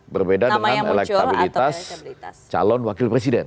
berbeda dengan elektabilitas calon wakil presiden